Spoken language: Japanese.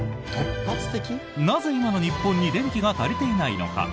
なぜ、今の日本に電気が足りていないのか？